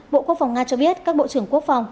bộ quốc phòng nga cho biết các bộ trưởng quốc phòng